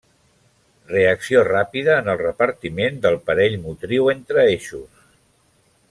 Reacció ràpida en el repartiment del parell motriu entre eixos.